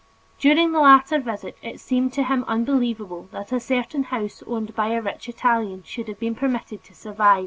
During the latter visit it seemed to him unbelievable that a certain house owned by a rich Italian should have been permitted to survive.